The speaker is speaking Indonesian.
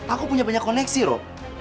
aku punya banyak koneksi ro